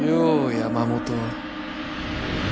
山本